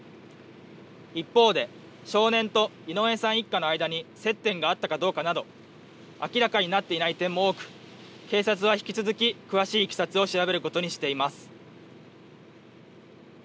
一方で、少年と井上さん一家の間に接点があったかどうかなど、明らかになっていない点も多く、警察は引き続き、詳しいいきさつを調べることにしています。